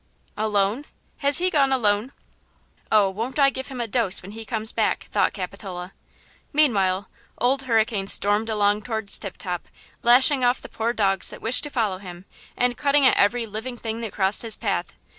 "Alone? Has he gone alone? Oh, won't I give him a dose when he comes back," thought Capitola. Meanwhile Old Hurricane stormed along towards Tip Top, lashing off the poor dogs that wished to follow him and cutting at every living thing that crossed his path.